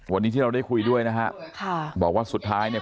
วันนี้ที่เราได้คุยด้วยนะฮะค่ะบอกว่าสุดท้ายเนี่ย